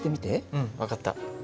うん分かった。